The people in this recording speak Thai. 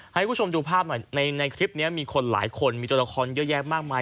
ให้คุณผู้ชมดูภาพหน่อยในคลิปนี้มีคนหลายคนมีตัวละครเยอะแยะมากมาย